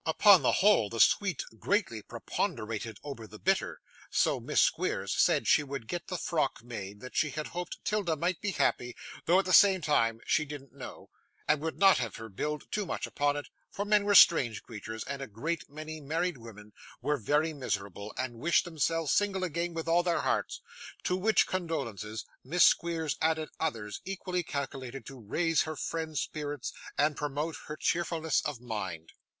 Upon the whole, the sweet greatly preponderated over the bitter, so Miss Squeers said she would get the frock made, and that she hoped 'Tilda might be happy, though at the same time she didn't know, and would not have her build too much upon it, for men were strange creatures, and a great many married women were very miserable, and wished themselves single again with all their hearts; to which condolences Miss Squeers added others equally calculated to raise her friend's spirits and promote her cheerfulness of mind.